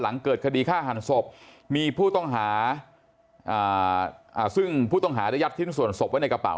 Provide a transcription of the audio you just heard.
หลังเกิดคดีฆ่าหันศพมีผู้ต้องหาซึ่งผู้ต้องหาได้ยัดชิ้นส่วนศพไว้ในกระเป๋